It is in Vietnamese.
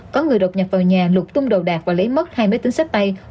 có người đột nhập vào nhà lục tung đầu đạc và lấy mất hai máy tính xách tay